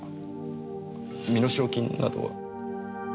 身代金などは？